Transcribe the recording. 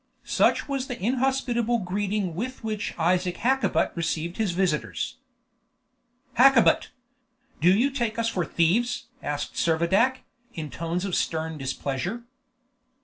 Such was the inhospitable greeting with which Isaac Hakkabut received his visitors. "Hakkabut! do you take us for thieves?" asked Servadac, in tones of stern displeasure.